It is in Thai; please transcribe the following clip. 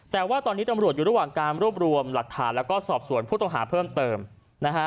แต่ว่าตอนนี้ตำรวจอยู่ระหว่างการรวบรวมหลักฐานแล้วก็สอบสวนผู้ต้องหาเพิ่มเติมนะฮะ